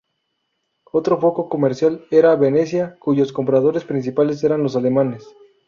Otro foco comercial era Venecia, cuyos compradores principales eran los alemanes.